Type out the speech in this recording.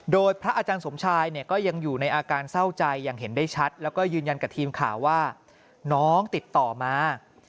โดยพระอาจารย์สมชายเนี่ยก็ยังอยู่ในอาการเศร้าใจอย่างเห็นได้ชัดแล้วก็ยืนยันกับทีมข่าวว่าน้องติดต่อมา